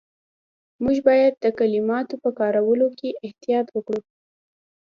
موږ باید د کلماتو په کارولو کې احتیاط وکړو.